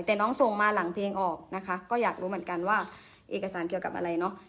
แต่น้องส่งมาหลังเพลงออกนะคะก็อยากรู้เหมือนกันว่าเอกสารเกี่ยวกับอะไรเนอะ